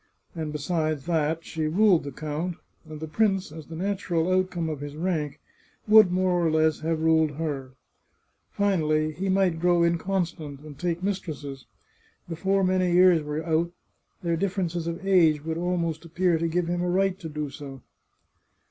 And besides that, she ruled the count, and the prince, as the natural outcome of his rank, would more or less have ruled her. Finally, he might grow inconstant and take mistresses. Before many years were out, their difference of age would almost appear to give him a right to do so.